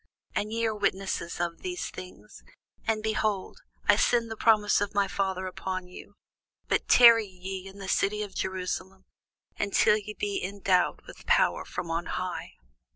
And ye are witnesses of these things. And, behold, I send the promise of my Father upon you: but tarry ye in the city of Jerusalem, until ye be endued with power from on high.